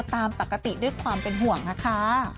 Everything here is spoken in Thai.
ตามปกติด้วยความเป็นห่วงนะคะ